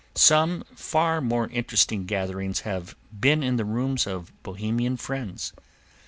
Some far more interesting gatherings have been in the rooms of Bohemian friends.